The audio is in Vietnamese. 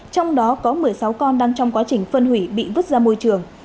trong đó có một mươi sáu con đang trong quá trình phân hủy bị vứt ra môi trường